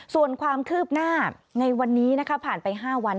ส่วนความคืบหน้าในวันนี้นะคะผ่านไป๕วัน